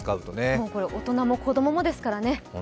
もうこれ、大人も子供もですからね。